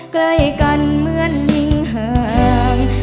ใกล้กันเหมือนนิ่งห่าง